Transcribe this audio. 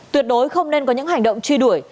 tuyệt đối không nên có những hành động truy đuổi